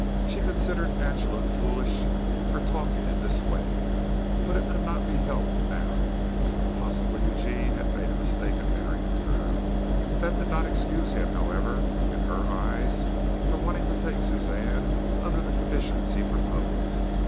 She considered Angela foolish for talking in this way, but it could not be helped now. Possibly Eugene had made a mistake in marrying her. This did not excuse him, however, in her eyes for wanting to take Suzanne under the conditions he proposed.